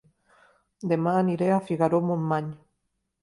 Dema aniré a Figaró-Montmany